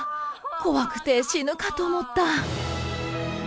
怖くて死ぬかと思った。